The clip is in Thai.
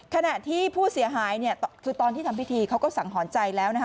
ขณะที่ผู้เสียหายตอนที่ทำพิธีเขาก็สั่งหอนใจแล้ว